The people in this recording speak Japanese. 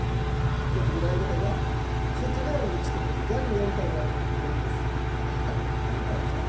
で僕の相方が「せっかくなんでちょっと僕ギャグやりたいなと思ってるんです！」って言うたんですよ。